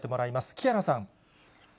木原さん。